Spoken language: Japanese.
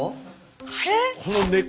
えっ？